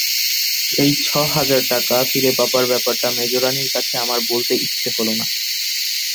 সেই ছ হাজার টাকা ফিরে পাবার ব্যাপারটা মেজোরানীর কাছে আমার বলতে ইচ্ছে হল না।